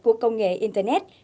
của công nghệ internet